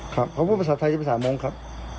ครับผมพูดภาษาไทยจะภาษามงค์ครับ